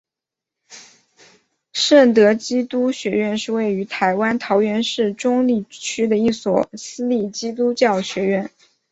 圣德基督学院是位于台湾桃园市中坜区的一所私立基督教学院。